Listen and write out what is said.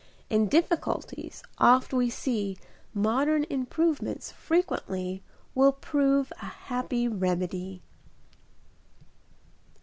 In difficulties, oft we see Modern improvements frequently Will prove a happy remedy.